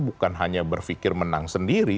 bukan hanya berpikir menang sendiri